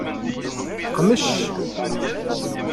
Qmec.